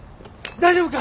大丈夫か！？